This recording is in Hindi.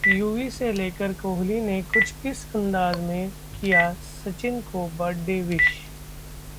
युवी से लेकर कोहली ने कुछ इस अंदाज में किया सचिन को बर्थडे विश